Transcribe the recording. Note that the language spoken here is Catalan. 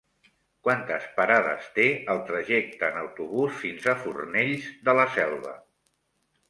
Quantes parades té el trajecte en autobús fins a Fornells de la Selva?